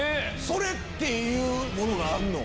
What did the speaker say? “それ”っていうものがあるの？